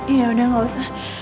iya yaudah gak usah